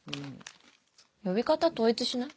呼び方統一しない？